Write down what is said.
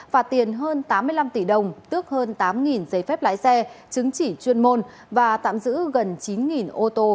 phạt tiền hơn tám mươi năm tỷ đồng tước hơn tám giấy phép lái xe chứng chỉ chuyên môn và tạm giữ gần chín ô tô